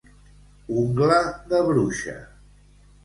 Ungla de bruixa.